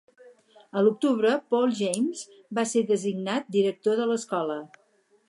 A l'octubre, Paul James va ser designat director de l'escola.